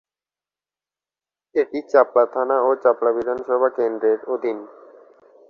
এটি চাপড়া থানা ও চাপড়া বিধানসভা কেন্দ্রের অধীন।